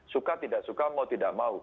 suka tidak suka mau tidak mau